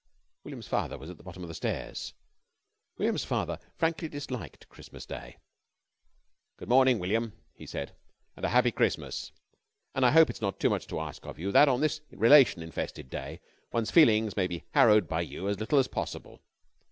William's father was at the bottom of the stairs. William's father frankly disliked Christmas Day. "Good morning, William," he said, "and a happy Christmas, and I hope it's not too much to ask of you that on this relation infested day one's feelings may be harrowed by you as little as possible.